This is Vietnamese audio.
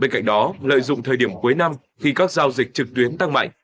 bên cạnh đó lợi dụng thời điểm cuối năm khi các giao dịch trực tuyến tăng mạnh